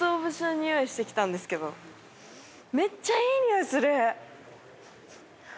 めっちゃいい匂いする！